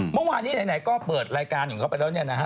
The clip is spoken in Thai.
เมื่อวานนี้ไหนก็เปิดรายการของเขาไปแล้วเนี่ยนะฮะ